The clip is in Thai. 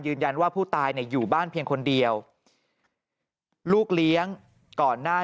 ว่าผู้ตายเนี่ยอยู่บ้านเพียงคนเดียวลูกเลี้ยงก่อนหน้า